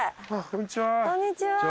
こんにちは。